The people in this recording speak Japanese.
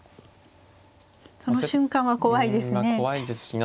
その瞬間は怖いですね。